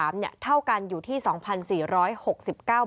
แผนสูงสุด๒๔๖๙บาท